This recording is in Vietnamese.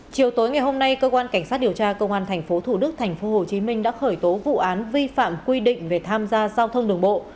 chiều tối ngày hôm nay cơ quan cảnh sát điều tra công an tp thủ đức tp hcm đã khởi tố vụ án vi phạm quy định về tham gia giao thông đường bộ